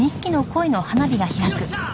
よっしゃあ！